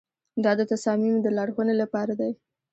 دا د تصامیمو د لارښوونې لپاره دی.